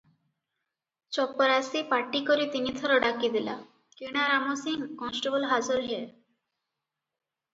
ଚପରାସୀ ପାଟିକରି ତିନିଥର ଡାକି ଦେଲା, "କିଣାରାମ ସିଂ କନେଷ୍ଟବଳ ହାଜର ହେ ।"